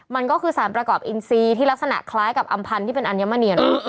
มันก็คือสารประกอบอินซีที่ลักษณะคล้ายกับอำพันธ์ที่เป็นอัญมณเนียน